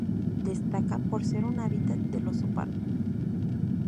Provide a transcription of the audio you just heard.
Destaca por ser un hábitat del oso pardo.